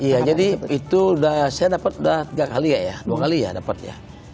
iya jadi itu udah saya dapat udah tiga kali ya ya dua kali ya dapat ya